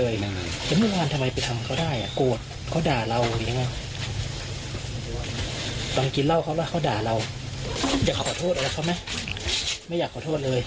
อยากขอโทษอะไรเขาไหมไม่อยากขอโทษเลย